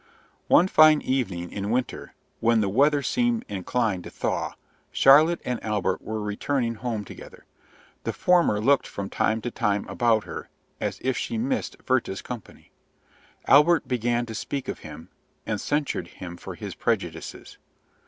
One fine evening in winter, when the weather seemed inclined to thaw, Charlotte and Albert were returning home together. The former looked from time to time about her, as if she missed Werther's company. Albert began to speak of him, and censured him for his prejudices.